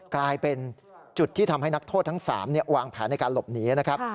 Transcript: กลายเป็นจุดที่ทำให้นักโทษทั้ง๓วางแผนในการหลบหนีนะครับ